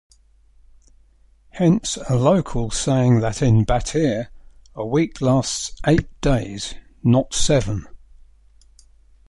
Hence a local saying that in Battir a week lasts eight days, not seven.